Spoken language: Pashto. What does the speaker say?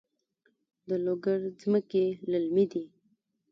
د لوګر ځمکې للمي دي